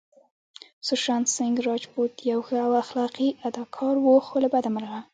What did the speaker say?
سوشانت سينګ راجپوت يو ښه او اخلاقي اداکار وو خو له بده مرغه